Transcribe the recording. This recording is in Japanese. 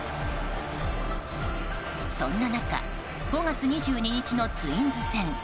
そんな中５月２２日のツインズ戦。